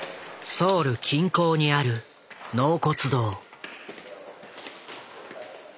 ソウル近郊にある納骨堂。